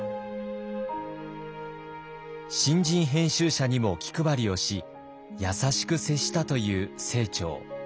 新人編集者にも気配りをし優しく接したという清張。